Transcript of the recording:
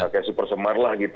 kayak super semar lah gitu